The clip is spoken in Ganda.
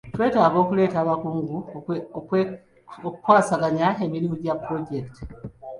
Twetaaga okuleeta abakugu okukwasaganya emirimu gya pulojekiti.